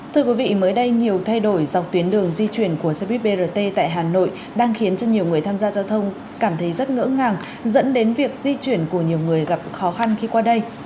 thưa quý vị mới đây nhiều thay đổi dọc tuyến đường di chuyển của xe buýt brt tại hà nội đang khiến cho nhiều người tham gia giao thông cảm thấy rất ngỡ ngàng dẫn đến việc di chuyển của nhiều người gặp khó khăn khi qua đây